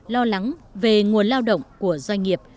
lo lắng về nguồn lao động của doanh nghiệp